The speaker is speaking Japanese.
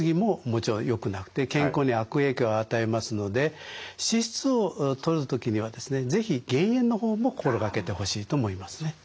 もちろんよくなくて健康に悪影響を与えますので脂質をとる時にはですね是非減塩の方も心掛けてほしいと思いますね。